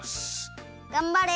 がんばれ。